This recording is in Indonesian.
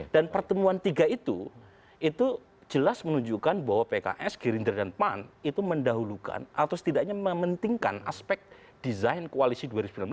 dan pertemuan tiga itu jelas menunjukkan bahwa pks gerindra dan peman itu mendahulukan atau setidaknya mementingkan aspek desain koalisi dua ribu sembilan belas